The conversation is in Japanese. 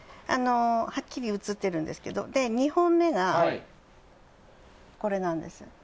はっきり映ってるんですけど２本目がこれなんです。